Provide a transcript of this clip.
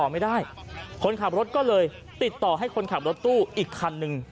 ไม่ได้คนขับรถก็เลยติดต่อให้คนขับรถตู้อีกคันหนึ่ง